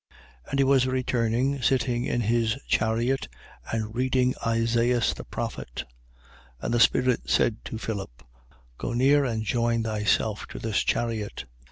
8:28. And he was returning, sitting in his chariot and reading Isaias the prophet. 8:29. And the Spirit said to Philip: Go near and join thyself to this chariot.